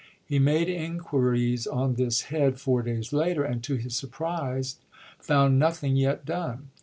He made in Meigs, quiries on this head four days later, and to his Diaryjuar. surprise found nothing yet done.